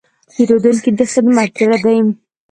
پیرودونکی د خدمت زړه دی.